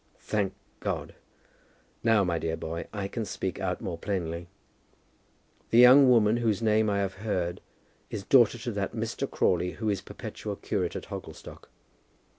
"Thank God. Now, my dear boy, I can speak out more plainly. The young woman whose name I have heard is daughter to that Mr. Crawley who is perpetual curate at Hogglestock.